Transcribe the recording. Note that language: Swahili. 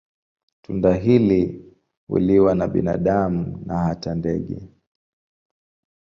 Tunda hili huliwa na binadamu na hata ndege.